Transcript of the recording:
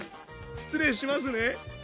失礼しますね。